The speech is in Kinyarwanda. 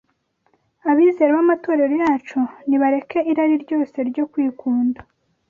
Abizera b’amatorero yacu nibareke irari ryose ryo kwikunda